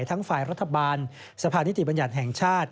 ทั้งฝ่ายรัฐบาลสภานิติบัญญัติแห่งชาติ